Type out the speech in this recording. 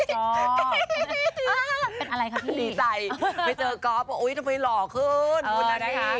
เป็นอะไรคะพี่ดีใจไปเจอก๊อฟว่าอุ๊ยทำไมหล่อขึ้นคุณนะคะ